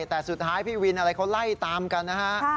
แต่สุดท้ายพี่วินอะไรเขาไล่ตามกันนะฮะ